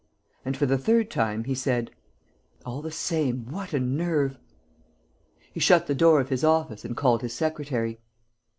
And, for the third time, he said, "All the same, what a nerve!" He shut the door of his office and called his secretary: "M.